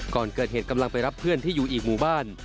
ก่อนเกิดเหตุกำลังไปรับเพื่อนที่อยู่อีกหมู่บ้าน